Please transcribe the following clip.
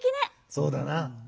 そうだな。